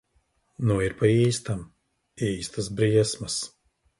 Nu ir pa īstam. Īstas briesmas.